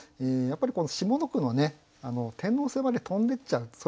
やっぱりこの下の句の天王星まで飛んでっちゃう。